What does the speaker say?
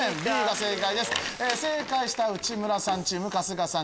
正解した内村さんチーム春日さん